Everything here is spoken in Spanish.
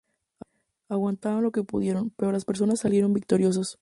Aguantaron lo que pudieron, pero los persas salieron victoriosos.